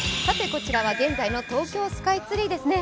こちらは、現在の東京スカイツリーですね。